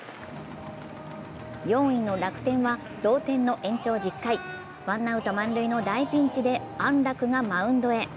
４位の楽天は同点の延長１０回、ワンアウト満塁の大ピンチで安樂がマウンドへ。